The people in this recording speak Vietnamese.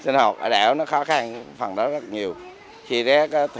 người m cod một mươi sáu phòng encirci nhu không gian đ inspector